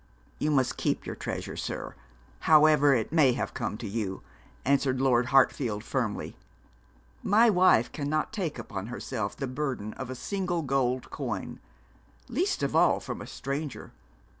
'You must keep your treasure, sir, however it may have come to you,' answered Lord Hartfield firmly. 'My wife cannot take upon herself the burden of a single gold coin least of all from a stranger.